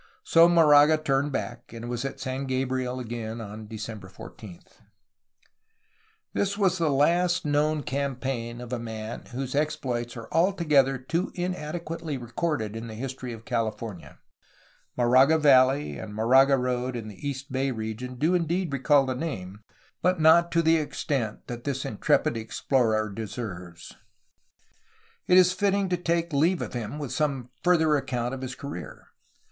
So Moraga turned back, and was at San Gabriel again on December 14. 434 A HISTORY OF CALIFORNIA This was the last known campaign of a man whose ex ploits are altogether too inadequately recorded in the history of California. Moraga Valley and Moraga Road in the east bay region do indeed recall the name, but not to the extent that this intrepid explorer deserves. It is fitting to take leave of him with some further account of his career.